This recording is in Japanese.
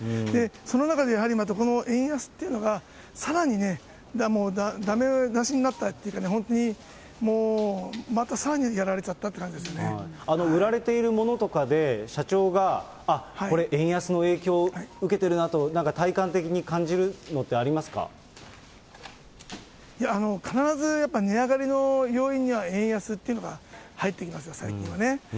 その中でやはりまたこの円安っていうのが、さらにね、だめ出しになったというかね、本当にもう、またさらにやられちゃったってい売られているものとかで、社長が、あっ、これ円安の影響受けてるなと、なんか体感的に感じるのってありまいや、必ずやっぱり値上がりの要因には、円安っていうのが入ってきますね、最近はね。